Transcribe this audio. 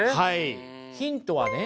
ヒントはね